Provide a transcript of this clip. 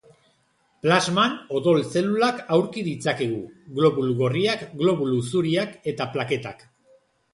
Plasman odol-zelulak aurki ditzakegu: globulu gorriak, globulu zuriak eta plaketak.